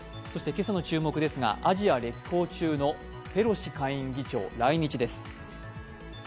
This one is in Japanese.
今朝の注目ですが、アジア歴訪中のペロシ下院議長、来日です。